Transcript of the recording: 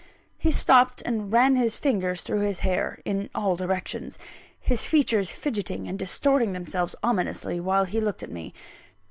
He stopped, and ran his fingers through his hair, in all directions; his features fidgetting and distorting themselves ominously, while he looked at me.